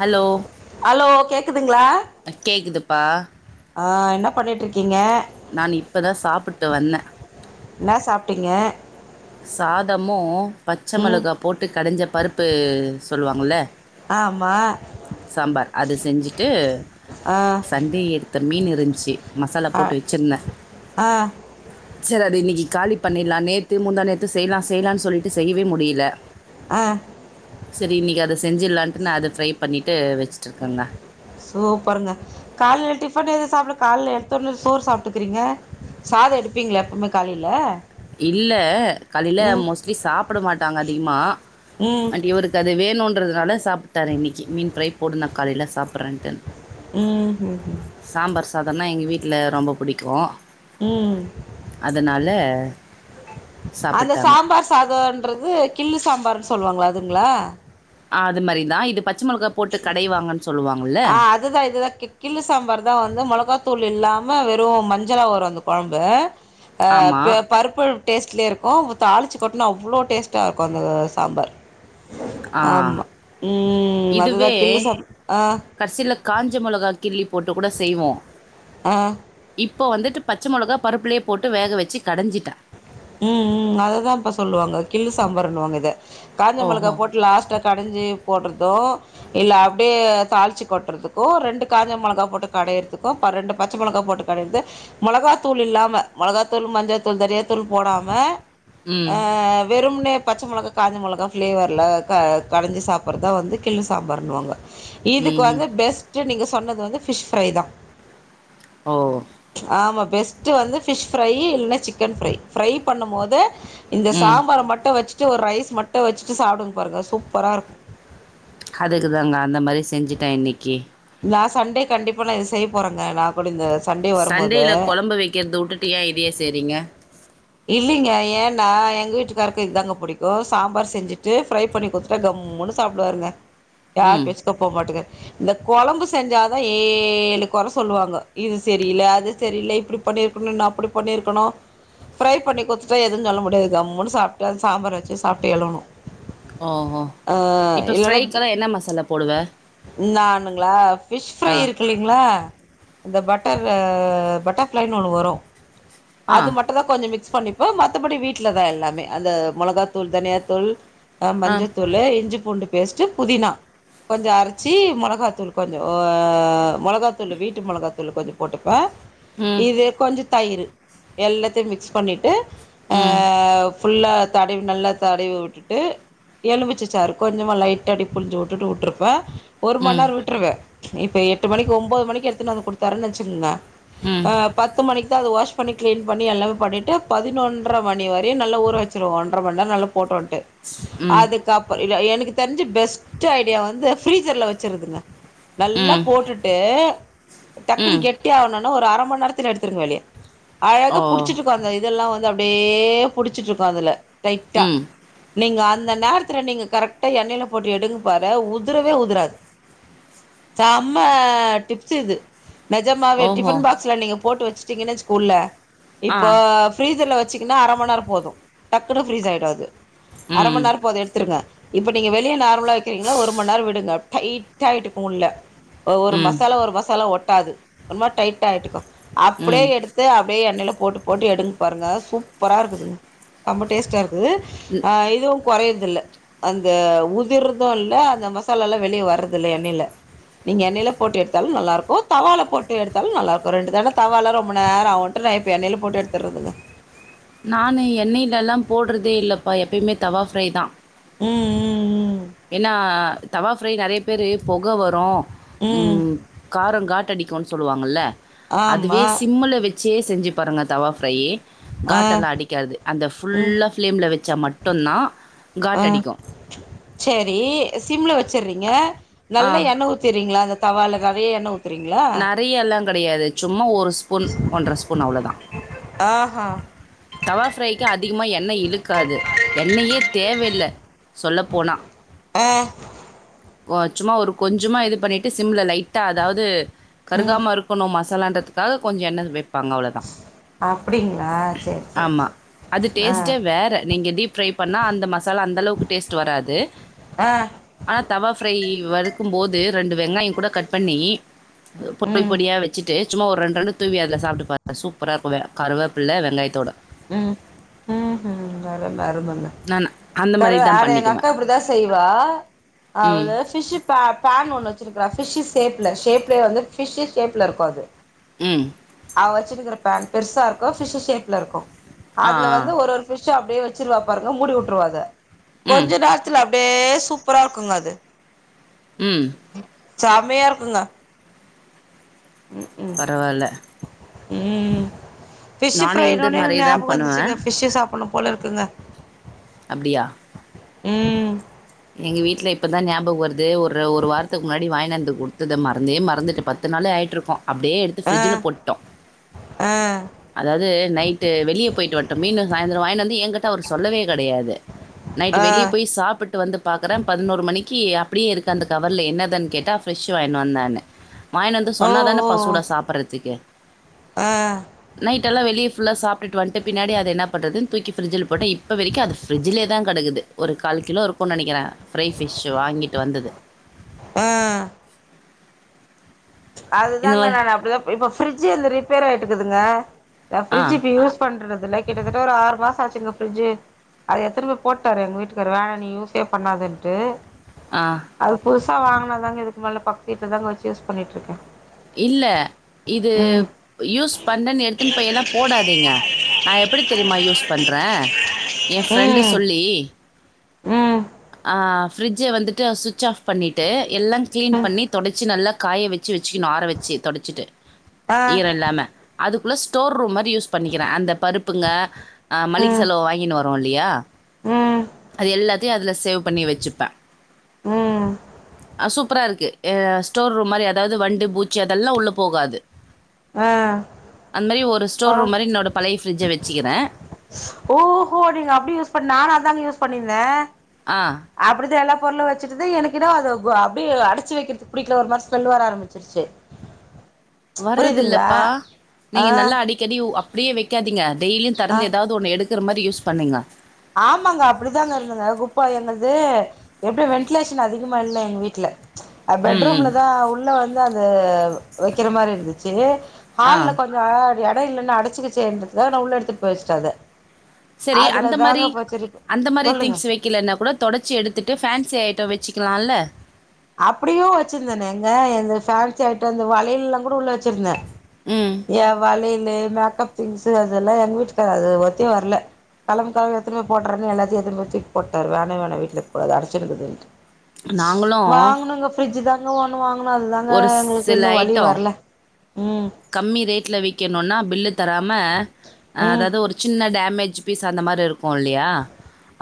Hello hello கேக்குதுங்ளா கேக்குதுப்பா ஆ என்ன பண்ணிட்டு இருக்கீங்க நா இப்ப தா சாப்புட்டு வந்த என்ன சாப்ட்டீங்க சாதமு பச்ச ம் மெளகா போட்டு கடஞ்ச பருப்பு சொல்லுவாங்கல்ல ஆமா சாம்பார் அது செஞ்சிட்டு ஆ சண்டே எடுத்த மீன் இருந்திச்சி மசாலா போட்டு வச்சிருந்த அ செரி அத இன்னக்கி காலி பண்ணிலா நேத்து முந்தாநேத் த்து செய்லா செய்லா சொல்லிட்டு செய்யவே முடியல அ செரி இன்னைக்கு அத செஞ்சிடலாண்ட்டு நா அத ஃப்ரை பண்ணிட்டு வச்சுட்டுருக்கேங்க சூப்பருங்க காலில டிஃபன் எதுவு சாப்பிட காலேல எடுத்தோட சோறு சாப்பிட்டுக்கிறீங்க சாதோ எடுப்பீங்கள எப்பவுமே காலையில இல்ல கலையில மோஸ்ட்லி சாப்பிட மாட்டாங்க அதிகமா ம் அண்ட் இவருக்கு இ அது வேணுன்றதுனால சாப்ட்டாரு இன்னைக்கி மீன் ஃப்ரை போடுனா காலையில சாப்பிட்றேண்ட்டு ம் ம் சாம்பார் சாதோன்னா எங்க வீட்ல ரொம்ப பிடிக்கு ம் அதனால அந்த சாப்பிட்டாங்க. சாம்பார் சாதோன்றது கிள்ளு சாம்பார்ன்னு சொல்லுவாங்கள அதுங்களா ஆ அது மாரிதா இது பச்ச மெளகா போட்டு கடை வாங்கன்னு சொல்லுவாங்க ஆ அதுதா இதுதா கிள்ளு சாம்பார் தா வந்து மொளகாத்தூள் இல்லாம வெறு மஞ்சளா வரு அந்த கொழம்பு அ ஆமா. ப பருப்பு டேஸ்ட்லயே இருக்கு அவுங்க தாளிச்சு கொட்டுனா அவ்ளோ டேஸ்ட்டா இருக்கு அந்த சாம்பார் ஆ. ஆமா ம் அதுதா இதுவே கில்லி சாம் ஆ கடைசில காஞ்ச மெளகா கில்லி போட்டு கூட செய்வோ ஆ இப்போ வந்துட்டு பச்ச மொளகா பருப்புலேயே போட்டு வேக வச்சு கடஞ்சிட்டா ம் ம் அததாபா சொல்லுவாங்க கிள்ளு சாம்பார்ருனு வாங்க இத காஞ்ச மெளகா ஓஹோ! போட்டு லாஸ்ட்டா கடஞ்சு போட்றதோ இல்ல அப்டியே தாளிச்சி கொட்டுறதுக்கு ரெண்டு காஞ்ச மெளகா போட்டு கடையறதுக்கு ரெண்டு பச்ச மெளகா போட்டு டது மொளகா தூள் இல்லாம மொளகாத்தூள் மஞ்சள்த்தூள் தெரியாது தூள் போடாம அ ம். வெறும்னே பச்ச மொளகா காஞ்ச மொளகா ஃப்ளேவரில க கடைஞ்சு சாப்பிட்றதா வந்து கிள்ளு சாம்பாார்னுவாங்க இதுக்கு ம்ஹ்ம். வந்து பெஸ்ட்டு நீங்க சொன்னது வந்து ஃபிஷ் ஃரை தா ஓ ஆமா பெஸ்ட்டு வந்து ஃபிஷ் ஃப்ரை இல்லனா சிக்கன் ஃப்ரை ஃப்ரை பண்ணும் போது இந்த ம் சாம்பார் மட்டு வச்சுட்டு ஒரு ரைஸ் மட்டு வெச்சுட்டு சாப்புடுங் பாருங்க சூப்பராகருக் அதுக்கு தாங்க அந்த மாரி செஞ்சுட்டே இன்னைக்கி நா சன்டே கண்டிப்பா நா இது செய்ய போறேங்க நா குட இந்த சண்டே வரும்போது சண்டேல கொழம்பு வைக்கிறத விட்டுட்டு ஏ இதையே செய்ரிங்க இல்லிங்க ஏன்னா எங்க வீட்டுக்காருக்கு இதுதாங்க புடிக்கு சாம்பார் செஞ்சுட்டு ஃப்ரை பண்ணி கொத் ட்டா கம்முன்னு சாப்புடுவாருங்க யார்ர ம் பேசுக்கு பே மாட்டேங்க இந்த கொழம்பு செஞ்சாதா ஏழு கொற சொல்லுவாங்க இது செரியில்ல அது செரியல இப்புடி பண்ணியிருக்கணு நா அப்புடி பண்ணியிருக்கணு ஃப்ரை பண்ணி குடுத்துட்டா எதுன் சொல்ல முடியாது கம்முன்னு சாப்ட்டு அது சாம்பார் வச்சு சாப்ட்டு எழுணு ஓ ஹோ இப்ப ஃப்ரைக்கெல்லா என்ன மசாலா போடுவே நானுங்ளா ஃபிஷ் ஃப்ரை இருக்குலி ங்களா இந்த பட்டர் பட்டர் ஃப்ளைன்னு ஒண்ணு வரு ஆ அது மட்டுதா கொஞ்சோ மிக்ஸ் பண்ணிப் இப்போ மத்தபடி வீட்ல தா எல்லாமே அந்த மொளகாத்தூள் தனியாத்தூள் அ ஆ மஞ்சள்த்தூளு இஞ்சி பூண்டு பேஸ்ட்டு புதினா கொஞ்சோ அரைச்சி மொளகாத்தூள் கொஞ்சோ மொளகாத்தூள் வீட்டு மொளகாத்தூள் கொஞ்சோ போட்டுப்பே ம் இதே கொஞ்சோ தயிரு எல்லாத்தையு மிக்ஸ் பண்ணிட்டு அ ம் ஃபுல்லா தடைவி நல்லா தடைவி உட்டுட்டு எலுமிச்சச்சாரு கொஞ்சமா லைட்டா அப்டியே புழிஞ்சு உட்டுட்டு உட்ருப்பே ஒரு மணி ம் நேரோ விட்டுருவே இப்போ எட்டு மணிக்கி ஒம்பது மணிக்கி எடுத்னு வந்து கொத்தாருன்னு வச்சுருங்க ம் அ பத்து மணிக்கிதா அத வாஷ் பண்ணி க்ளீன் பண்ணி எல்லாம பண்ணிட்டு பதினொன்ர மணி வரையு நல்ல ஊற வச்சுருவ ஒன்றர மண்நேர நல்ல போட்டு வன்ட்டு ம் அதுக்கப்ற இல்ல எனக்கு தெரிஞ்சு பெஸ்ட் ஐடியா வந்து ஃப்ரீசர்ல வச்சிருதுங்க நல்லா ம் போட்டுட்டு ம் டக்குன்னு கெட்டி ஆகணுன்னா ஒரு அர மண்நேரத்துல எடுத்துருங்க வெளிய அழகா ஓ புடிச்சிட்டுருக்கு அந்த இதெல்லா வந்து அப்டியே புடிச்சிட்டு இருக்கு அதுல டைட்டா ம் நீங்க அந்த நேரத்துல நீங்க கரெக்டா எண்ணெய்ல போட்டு எடுங்க பாரு உதுரவே உதுராது சம்ம டிப்ஸ் இது நெஜமாவே ஓஹோ டிஃபன் பாக்ஸ்ல நீங்க போட்டு வச்சுட்டீங்கன்னு வச்சுக்க உள்ள ஆ இப்ப ஃப்ரீஸ்சர்ல வச்சுகுன்னா அர மண்நேரோ போது டக்குனு ஃப்ரீஸ் ஆயிடு அது அர ம் மண்நேரோ போது எடுத்துருங்க இப்ப நீங்க வெளியே நார்மலா வைக்கிறீங்ளா ஒரு மண்நேரோ உடுங்க டைட்டாயிட்டுக்குள்ள ஓ ஒரு ம் மசாலா ஒரு மசாலா ஒட்டாது ஒர்மார் டைட்டாயிட்டுக்கு அப்டியே ம் எடுத்து அப்டே எண்ணய்ல போட்டு போட்டு எடுங் பாருங்க சூப்பராருக்குதுங் ரொம்ப டேஸ்டாருக்குது ஆ இது குறையருதுல்ல அந்த உதிர்துல்ல அந்த மசாலல்லா வெளிய வர்றதுல்ல எண்ணெய்ல நீங்க எண்ணெயில போட்டு எடுத்தாலு நல்லாருக்கு தவால போட்டு எடுத்தாலு நல்லாருக்கு ரெண்டு தட தவால ரொம்ப நேராகு இப்ப நா எண்ணெயில போட்டு எடுத்தர்றதுங்க நானு எண்ணெய்லலா போட்றதே இல்லப்பா எப்பயுமே தவா ஃப்ரை தா ம் ம் ம் ஏன்னா தவா ஃப்ரை நறைய பேரு பொக வரு ம் காரோ காட்டடிக்குனு சொல்லுவாங்கல்ல அதுவே ஆமாம் சிம்முல வச் சே செஞ்சு பாருங்க தவா ஃப்ரையி ஆ காட்டல்லா அடிக்காது அந்த ம் ஃபுல்லா ஃப்ளேம்ல வெச்சா மட்டுந்தா காட்டடிக்கு செரி சிம்ல வெச்சற்றீங்க ஆ நல்லா எண்ணெ ஊ த்துறீங்ளா அந்த தவால நெறைய எண்ணெ ஊத்துறீங்ளா நெறையெல்லாங் கெடயாது சும்மா ஒரு ஸ்பூன் ஒன்ற ஸ்பூன் அவ்ளோதா ஆஹா தவா ஃப்ரைக்கு அதிகமா எண்ணெய் இழுக்காது எண்ணெயே தேவெல்ல சொல்ல போனா ஆ ஒ சும்மா ஒரு கொஞ்சமா இது பண்ணிட்டு சிம்ல லைட்டா அதாவ்து ம் கருகாம இருக்கணு ம சலான்றதுக்காக கொஞ்ச எண்ணெ வெப்பாங்க அவ்ளோதா அப்பிடிங்ளா சேர் சேர் சேர் அது டேஸ்ட்டே வேற நீங்க டீப் ஃப்ரை பண்ணா அந்த மசாலா அந்தளவ்க்கு டேஸ்ட்டு வராது ஆ ஆனா தவா ஃப்ரை வறுக்கும்போது ரெண்டு வெங்காயங் கூட கட் பண்ணி பொடி ம் பொடியாக வெ ச்சிட்டு சும்மா ஒரு ரெண்ரெண்டு தூவி அதுல சாப்ட்டு பா சூப்பரா இருக்கு கருவேப்பில்ல வெங்காயத்தோட ம் ம் ம் அரும அருமங்க நான் அந்த மாரி கரு தான் ஆனா எங்க பண்ணிக்குவேன். அக்கா அப்டிதா செய்வா ம். அவதா ஃபிஷ்ஷு ப பேன் ஒன்னு வெச்சுருக்ரா ஃபிஷ்ஷு ஷேப்ல ஷேப்லேய வந்து ஃபிஷ்ஷு ஷேப்ல இருக்கு அது ம் அவ வெச்சினுக்கிற பேன் பெருசா இருக்கு ஃபிஷ்ஷு ஷேப்ல இருக்கு ஆ, அதுல வந்து ஆ. ஒரொரு ஃபிஷ்ஷ அப்டியே வெச்சுருவா பாருங்க மூடி வுட்ருவா அத ம். கொஞ்ச நேர் த்துல அப்டே சூப்பரா இருக்குங்க அது ம் சம்மயா இருக்குங்க ம் ம் பரவால்ல ம் ஃபிஷ்ஷு நானும் இந்த ஃப்ரைனோனே மாரி எனக்கு தான் ஞாபகோ பண்ணுவேன். வந்துச்சுங்க ஃபிஷ்ஷு சாப்பிண்ணும் போல இருக்குங்க அப்டியா ம் எங்க வீட்ல இப்பதா ஞாபக் வருது ஒரு ஒரு வாரத்துக்கு முன்னாடி வாய்னந்து குடுத்தத மறந்தே மறந்துட்டு ப த்து நாளு ஆயிட்ருக்கோ அப்டியே எடுத்து ஃப்ரிஜில போட்டோ ஆ அதாவ்து நைட்டு வெளிய போயிட்டு வந்டோ மீனு சாய்ந்தரோ வாய்னந்து எங்கிட்ட அவுரு சொல்லவே கெடயாது நைட்டு ஆ வெளிய போய் சாப்புட்டு வந்தப் பாக்குறே பதினோரு மணிக்கு அப்டியே இருக்க அந்த கவர்ல என்னதுன் கேட்டா ஃப்ஷ்ஷீ வாய்ன் வந்தனு வாயின் வந்து ஓ ஓ சொன்னாதானப்பா சுடா சாப்பறதுக்கு ஆ நைட்டெல்லா வெளியே ஃபுல்லா சாப்டுட்டு வந்ட்ட பின்னாடி அத என்னா பண்றதுன் தூக்கி ஃப்ரிஜுல போட்டே இப்ப வெரிக்கு அது ஃப்ரிஜிலேதா கடக்குது ஒரு கால் கிலோ இருக்கு நெனைக்கிறே ஃப்ரை ஃபிஷ்ஷு வாங்கிட்டு வந்தது ஆ இந்த அதுதாங்க மாரி நானு அப்டிதா இப் இப்ப ஃப்ரிஜ்ஜு எந்து ரிப்பேர் ஆயிட்டுக்குதுங்க நா ஆ, ஃப்ரிட்ஜ் இப்ப யூஸ் பண்றறதில்ல கிட்டத்தட்ட ஒரு ஆறு மாசோ ஆச்சுங்க ஃப்ரிட்ஜு அது எத்தனு போய் போட்டாரு எங் வீட்டுக்காரு வேணா நீ யூஸே பண்ணாதென்ட்டு ஆ அது புதுசா வாங்குனாதாங்க இதுக்கு மேல பக்கத் வீட்ல தாங்க வெச்சு யூஸ் பண்ணிட்ருக்கே இல்ல இது ம் யூஸ் பண்ணேன்னு எடுத்துன்னு போயெல்லா போடாதீங்க நா எப்பிடி தெரியுமா யூஸ் பண்றே எ ஃப்ரெண்டு ம் சொல்லி ம் ஆ ஃப்ரிட்ஜ வந்துட்டு சுவிட்ச் ஆஃப் பண்ணிட்டு எல்லா கிளீன் ம் பண்ணி தொடைச்சி நல்லா காய வெச்சி வெச் சிக்கனும் ஆற வெச்சு தொடைச்சிட்டு ஆ ஈரம் இல்லாம அதுக்குள்ள ஸ்டோர் ரூம்ம யூஸ் பண்ணிக்கிறே அந்த பருப்புங்க ம் மளிகசெலவு வாங்கினு வர் ரோ இல்லையா ம் அது எல்லாத்தையு அதுல சேவ் பண்ணி வெச்சிப்பே ம் ஆ சூப்பரா இருக்கு அ ஸ்டோர் ரூம் மாதிரி அதாவது வண் டு பூச்சி அதெல்லா உள்ள போகாது ஆ அந் மாரி ஒரு ஸ்டோ ரூம் மாரி என்னோட பழைய ஃபிரிஜ்ஜ வெச்சிகிறே ஓஹோ நீங்க அப்டி யூஸ் பண்ண நானு அத்தாங்க யூஸ் பண்ணிருந்தே ஆ அப்புடிதா எல்லா பொருளு வெச்சுட்டது எனக்கு எதோ அது அப்டி அடிச்சு வெக்கிறது புடிக்கல ஒரு மாரி ஸ்மெல்லு வர ஆரம்பிச்சு செரி வர்ரதில்லப்பா ஆ நீங்க நல்லா அடிக் கடி அப்டியே வெக்காதீங்க டெய்லியு ஆ தரந்து ஏதாவது ஒன்னு எடுக்கிற மாரி யூஸ் பண்ணுங்க ஆமாங்க அப்புடிதாங்க இருந்தங்க குப்பா எங்கள்து உடு வென்டிலேஷன் அதிகமா இல்ல எங்க வீட்ல ம் ம் பெட்ரூம்ல தா உள்ள வந்து அது வெக்கிற மாரி இருந்துச்சு ஆ ஹால்ல கொஞ்ச எட இல்லனா அடச்சிக்கிச்சேன்றதுக்காக நா உள்ள எடுத்துட்டு போய வெச்சுட்ட அத செரி அதுல அந்த மாரி தாங்க போய் அந்த மாரி சொல்லுங்க திங்ஸ் வெக் கீலன கூட தொடச்சி எடுத்துட்டு ஃபோன்சி ஐட்டோ வெச்சுக்கலால்ல அப்புடியு வெச்சிருந்தனேங்க எந்து ஃபான்சி ஐட்டம் இந்த வளையலெல்லா கூட உள்ள வெச்சிருந்தே ம் ஏ வளையலு மேக்கப் திங்ஸ் அதெல்லா எங்க வீட்டுக்கார அது ஒத்தே வர்ல களம்ப் கெலம்புனு எத்துனு போய் போட்டர்ரன்னு எல்லாத்தியு எத்துனுபோய் போட்டாரு வேனவேனா வீட்ல இருக் கூடாது அச்சுனுக்கிதுன்ட்டு நாங்களும் வாங்கணுங்க ஃபிரிட்ஜ்ஜிதா எங்க ஒண்ணு வாங்கனா அதுதாங்க ஒரு எங்களுக்கு சில இன்னு வழி ஐட்டம் வர்ல ம் கம்மி ரேட்ல விக்கணுன்னா பில்லு தராம ம் அதாவது ஒரு சின்ன டேமேஜ் பீஸ் அந்த மாரி இருக்கு இல்லையா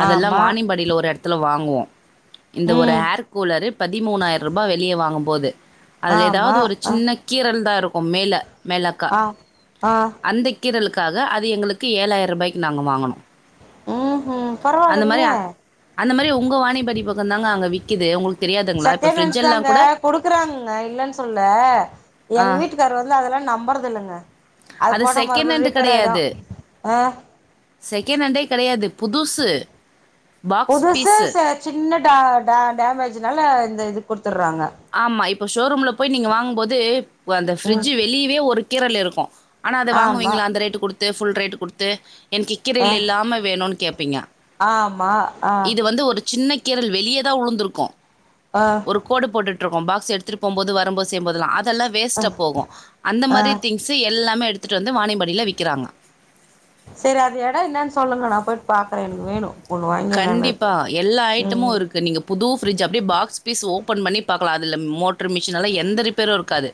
அதெல்லா ஆமா வாணியம்பாடியில ஒரு எடத்து துல வாங்குவோ இந்த ஒரு ம் ஹேர் கூலரு பதிமூணாயிர் ரூபா வெளியே வாங்கும்போது அதில ஆமா ஏதாவது ஒரு அ சின்ன கீரல் தா இருக்கு மேலே மேலக்கா ஆ ஆ அந்த கீ கீரலுக்காக அது எங்களுக்கு ஏழாயிர் ரூபாய்க்கு நாங்க வாங்கனோ ம் ம் அந்த மாரி பரவால்லைங்களே அந்த மாரி உங்க வாணியம்பாடி பக்கம் தாங்க அங்க விக்கிது உங்களுக்கு தெரியாதுங்களா இப்ப செகண்ட் ஹேண்ட்ஸ் ஃபிரிட்ஜெல்லா தாங்க கூட குடுக்குறாங்கங்க இல்லன்னு சொல்ல ஆ எங் வீட்டுக்காரு வந்து அதெல்லா நம்பறது இல்லங்க அது போனா செகண்ட் மறுபடிய ஹேண்ட் ரிப்பேர் ஆயிடு கெடையாது. அ செகண்ட் ஹாண்டே கெடையாது புதுசு பீஸு ச சின்ன டே டே டேமேஜ்னால இந்த இது குட்த்துற்றாங்க ஆமா இப்ப ஷோரூம்ல போய் நீங்க வாங்கும் போது அந்த ம் ஃபிரிட்ஜு வெளியவே ஒரு கீரல் இருக்கு ஆனா அத ஆமா வாங்குவீங்களா அந்த ரேட்டு குடுத்து ஃபுல் ரேட்டு குடுத்து எனக்கு ஆ கீரல் இல்லாம வேணுன்னு கேப்பீங்க ஆமா ஆ இது வந்து ஒரு சின்ன கீரல் வெளியேதா உழுந்துருக்கு ஆ கோடு போட்டுட்டுருக்கோ பாக்ஸ் எடுத்துட்டு போம்போது வரும்போது செய்ம்போதெல்லா வேஸ்ட்டா போகு அந்த ஆ மாரி திங்க் சி எல்லாமே எடுத்துட்டு வந்து வானிம்படியில விக்கிறாங்க சேரி அது எடோ என்னன்னு சொல்லுங்க நா போய் பாக்குறே எனக்கு வேணு ஒன்னு வாங்கிரலானு கண்டிப்பா. எல்லா உம் ஐட்டமும் இருக்கு. நீங்க புது ஃப்ரிட்ஜ் அப்டியே பீஸ் ஓப்பன் பண்ணி பாக்கலா அதில மோட்டரு மிஷின் எல்லா எந்த ரிப்பேரு இருக்காது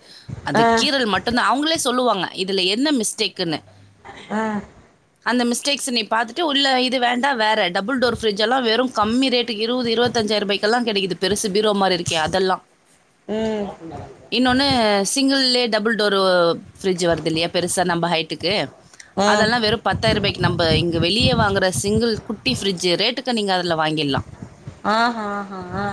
அந்த ஆ கீரல் மட்டும்தா அவுங்களே சொல்லுவாங்க இதுல என்ன மிஸ்டேக்குன்னு அஹ் அந்த மிஸ்டேக்ஸ நீ பாத்துட்டு உள்ள இது வேண்டா வேற டபுள் டோர் ஃபிரிட்ஜ் எல்லா வெறும் கம்மி ரேட்டுக்கு இருபது இருபத்தஞ்சாயிர ரூபாய்கெல்லா கெடைக்கிது பெருசு பீரோ மாரி இருக்கே அதெல்லா உம் இன்னொன்னு சிங்கிள்ளே டபுள் டோரு ஃபிரிடட்ஜ் வருது இல்லையா பெருசா நம்ம ஹைட்டுக்கு ஆ அதெல்லா வெறு பத்தாயர ரூபாய்க்கு நம்ம இங்க வெளிய வாங்கிற சிங்கிள் குட்டி ஃப்ரிட்ஜு ரேட்டுக்கு அதுல வாங்கிர்லா ஆஹ் ஹாஹ் ஹா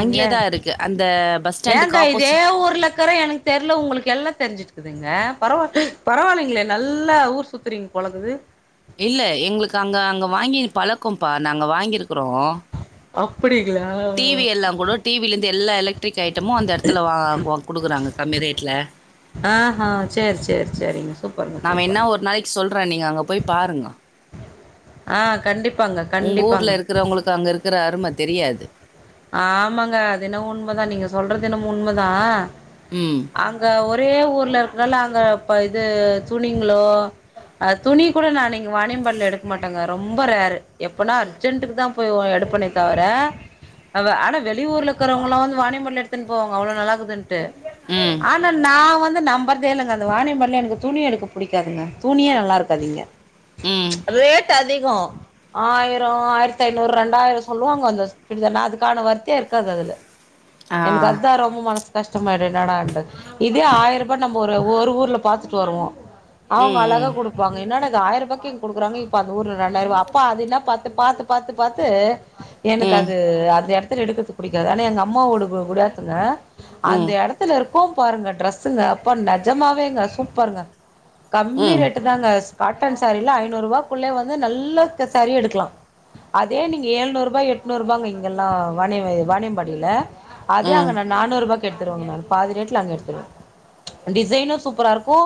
அங்கேயே தான் இருக்கு. அந்த பஸ் ஸ்டாண்டுக்கு ஏங்க இதே ஆப்போசி ஊர்ல இருக்ரே எனக்கு தெரில உங்களுக்கு எல்லா தெரிஞ்சுதுகுங்க பரவா பரவால்லிங்களே நல்லா ஊர் சுத்துறீங் பழகுது இல்ல எங்களுக்கு அங்க அங்க வாங்கி பழக்கோம்ப்பா நாங்க வாங்கியிருக்குறோ அப்டிங்ளா டிவி எல்லா கூட டிவிலேந்து எல்லா எலக்ட்ரிக் ஐட்டமு அந்த இடத்துல வா கொடுக்குறாங்க கம்மி ரேட்ல ஆஹ்ஹா சேர் சேரி சேரிங்க சூப்பருங்க நா வேன்னா சூப்பருங்க ஒரு நாளைக்கு சொல்றே நீங்க அங்க போய் பாருங்க ஆ கண்டிப்பாங்க உங்கூர்ல கண்டிப்பாங்க இருக்றவங்களுக்கு அங்க இருக்ற அரும தெரியாது ஆமாங்க அதென்னவோ உண்மதா நீங்க சொல்றதென்னமோ உண்மதா உம் அங்க ஒரே ஊர்ல இருக்கனால அங்க இப்ப இது துணிங்ளோ அஹ் துணி கூட நா நீங்க வாணிம்பாடில எடுக்க மாட்டேங்க ரொம்ப ரேரு எப்பனா அர்ஜெண்டுக்கு தா போய் எடுப்பேனே தவிர அவ ஆனா வெளியூர்ல இருக்குறவங்கலா வந்து வானியம்பாடில எடுத்துனுபோவாங்க அவ்ளோ நல்லாக்குதுனு ட்டு ம். ஆனா நா வந்து நம் போறதே இல்லங்க அந்த வானியம்பாடிலா எனக்கு துணி எடுக்க பிடிக்காதுங்க துணியே நல்லா இருக்காது இங்க ம். ரேட் அதிகோ ஆயிரோ ஆயிரத்தி ஐநூறு ரெண்டாயிரோ சொல்லுவாங்க அந்த சுடிதாரு நா அதுக்கு கான ஒர்த்தே இருக்காது அதுல ஆ. எனக்கு அதுதா ரொம்ப மனசு கஷ்டமாயிடு என்னடான்டு இதே ஆயிரூபா நம்ம ஒரு ஒரு ஊர்ல பாத்துட்டு வருவோ ஆ அவங்க அழகா ம். குடுப்பாங்க என்னடா இது ஆயிர ரூபாய்க்கு இங்க குடுக்குறாங்க இப்ப அந்த ஊர்ல ரெண்டாயிரூவா அப்ப அதுல்லா பாத்து பாத்து பாத்து பாத்து ம். எனக்கு ம். அது அந்த எடத்துல எடுக்கிறது புடிக்காது ஆனா எங்க அம்மாவோடு குடியாத்துங்க அந்த ம். எடத்து எடத்துல இருக்கோ பாருங்க டிரஸ்ங்க அப்ப நெஜமாவேங்க சூப்பருங்க கம்மி ம். ரேட்டுங் தாங்க காட்டன் சாரீல்லா ஐநூறு ரூபாக்குள்ளயே வந்து நல்ல சாரீ எடுக்கலா அதே நீங்க ஏழுநூரூபா எட்நூரூபாங்க எல்லா வாணி வாணியம்பாடியில அதே அங்க ம். ந நானூறு ரூபாய்க்கு எடுத்துருவேங்க நானு பாதி ரேட்ல அங்க எடுத்துருவோ டிசைனு சூப்பரா இருக்கு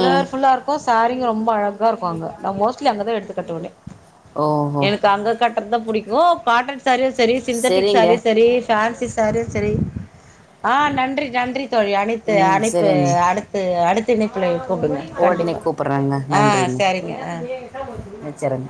ம். இருக்கு சாரீங்க ரொம்ப அழகா இருக்கு அங்க நா மோஸ்ட்லி அங்கதா எடுத்து கட்டுவேனே ஓஹோ அங்க கட்டுறது புடிக்கு காட்டன் சாரீயு சரி சிந்தட்டிக் சரிங்க. சாரீயு சரி ஃபேன்சி சாரீயு சரி ஆ நன்றி நன்றி தோழி அனைத்து ம். அனுப்பு சரிங்க. அடுத் து அடுத்த இணைப்புல கூப்பிடுங்க உடனே கண்டிப்பா கூப்பிடுறேங்க. ஆ செரிங்க ஆ வெச்சர்றங்